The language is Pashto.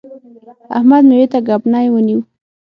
احمد؛ مېوې ته ګبڼۍ ونیو.